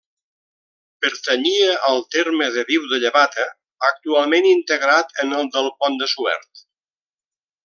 Pertanyia al terme de Viu de Llevata, actualment integrat en el del Pont de Suert.